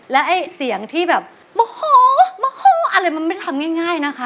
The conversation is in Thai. แล้วไอ้เสียงที่แบบมะโฮมะโฮอะไรมันไม่ได้ทำง่ายนะคะ